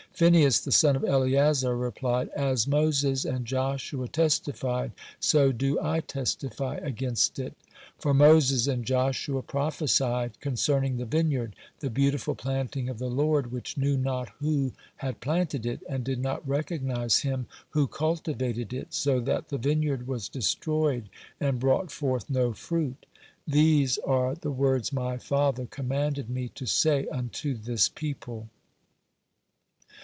Phinehas, the son of Eleazar, replied: "As Moses and Joshua testified, so do I testify against it; for Moses and Joshua prophesied concerning the vineyard, the beautiful planting of the Lord, which knew not who had planted it, and did not recognize Him who cultivated it, so that the vineyard was destroyed, and brought forth no fruit. These are the words my father commanded me to say unto this people."